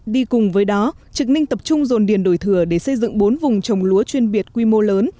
đi cùng với đó trực ninh tập trung dồn điền đổi thừa để xây dựng bốn vùng trồng lúa chuyên biệt quy mô lớn